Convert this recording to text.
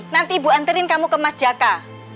nanti ibu anterin kamu ke mas jaka